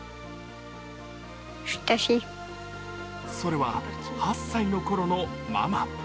それは、８歳のころのママ。